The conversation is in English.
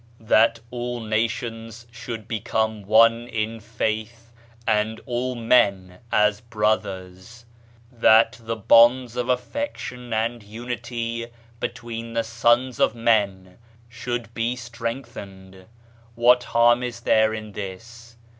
That all nations should become one in faith and all men as brothers ; that the bonds of affection and unity between the sons of men should be strengthened ;... what harm is there in this